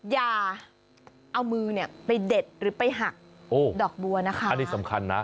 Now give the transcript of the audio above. อย่าเอามือเนี่ยไปเด็ดหรือไปหักดอกบัวนะคะอันนี้สำคัญนะ